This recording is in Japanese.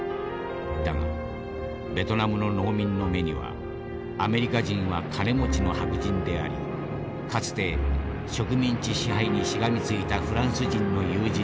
だがベトナムの農民の目にはアメリカ人は金持ちの白人でありかつて植民地支配にしがみついたフランス人の友人なのだ。